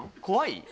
怖い？